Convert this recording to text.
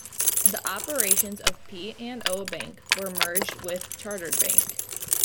The operations of P and O Bank were merged with Chartered Bank.